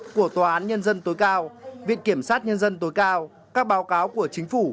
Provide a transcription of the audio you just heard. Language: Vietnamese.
của tòa án nhân dân tối cao viện kiểm sát nhân dân tối cao các báo cáo của chính phủ